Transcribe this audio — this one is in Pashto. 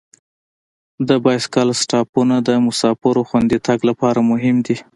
د بایسکل سټاپونه د مسافرو خوندي تګ لپاره مهم دي.